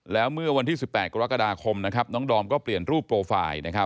แล้วเมื่อวันที่๑๘กรกฎาคมน้องดอมก็เปลี่ยนรูปโปรไฟล์